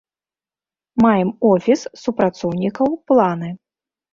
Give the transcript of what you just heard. Маем офіс, супрацоўнікаў, планы.